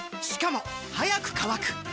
しかも速く乾く！